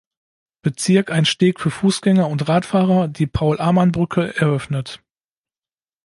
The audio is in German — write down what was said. Bezirk ein Steg für Fußgänger und Radfahrer, die Paul-Amann-Brücke, eröffnet.